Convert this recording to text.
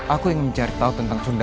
aku ingin mencari tahu tentang sunda